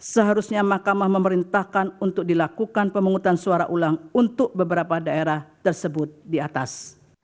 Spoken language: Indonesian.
seharusnya mahkamah memerintahkan untuk dilakukan pemungutan suara ulang untuk beberapa daerah tersebut di atas